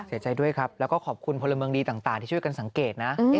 เสียใจด้วยครับแล้วก็ขอบคุณพลเมืองดีต่างที่ช่วยกันสังเกตนะ